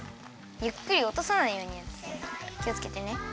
ゆっくりおとさないようにきをつけてね。